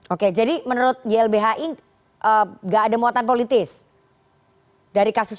oke jadi menurut glbh inc gak ada muatan politis dari kasus ini